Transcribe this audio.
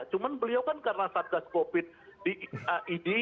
cuma beliau kan karena sadgas covid di aid